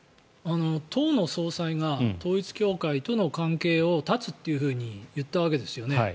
党の総裁が統一教会との関係を絶つというふうに言ったわけですよね。